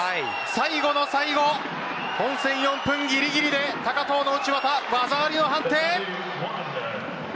最後の最後本線４分ぎりぎりで高藤の内股、技ありの判定。